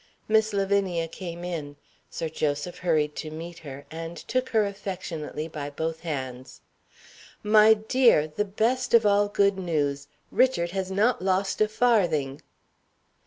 Miss Lavinia came in. Sir Joseph hurried to meet her, and took her affectionately by both hands. "My dear! the best of all good news, Richard has not lost a farthing."